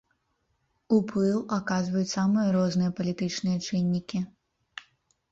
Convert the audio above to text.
Уплыў аказваюць самыя розныя палітычныя чыннікі.